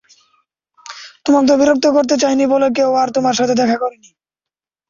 তোমাকে বিরক্ত করতে চায়নি বলে কেউ আর তোমার সাথে দেখা করেনি।